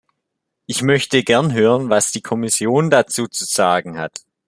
Ich möchte gern hören, was die Kommission dazu zu sagen hat.